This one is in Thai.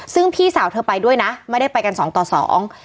ซึ่งพี่สาวเธอไปด้วยนะไม่ได้ไปกันสองต่อสอง